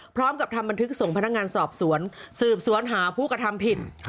พร้อมกับทำบันทึกส่งพนักงานสอบสวนสืบสวนหาผู้กระทำผิด